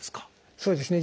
そうですね